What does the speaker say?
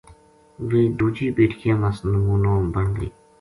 ویہ دُوجی بیٹکیاں وس نمونو بن گئی